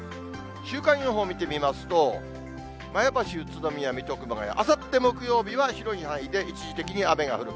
週間予報見てみますと、前橋、宇都宮、水戸、熊谷、あさって木曜日は広い範囲で一時的に雨が降る。